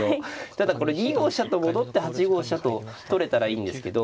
ただこれ２五飛車と戻って８五飛車と取れたらいいんですけど。